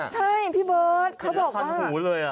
ใช่พี่เบิร์สเขาบอกว่าเรียกลังทันหูเลย